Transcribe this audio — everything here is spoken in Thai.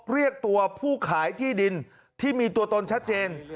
เรียกตัวผู้ขายที่ดินที่มีตัวตนชัดเจน